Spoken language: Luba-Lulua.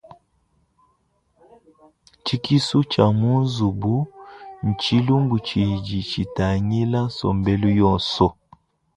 Tshikisu tshia mu nzubu ntshilumbu tshidi tshitangila nsombelu yonso.